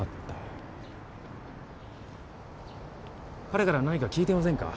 彼から何か聞いてませんか？